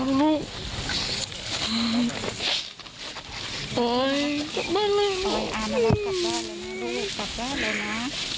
ลูกกลับบ้านแล้วนะ